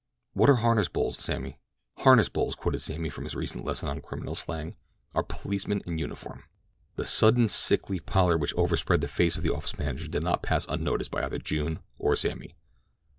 "What are harness bulls, Sammy?" "Harness bulls," quoted Sammy from his recent lesson on criminal slang, "are policemen in uniform." The sudden sickly pallor which overspread the face of the office manager did not pass unnoticed by either June or Sammy.